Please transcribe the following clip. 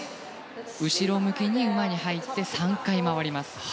後ろ向きに馬に入って３回、回ります。